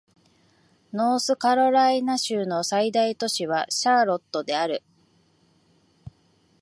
ノースカロライナ州の最大都市はシャーロットである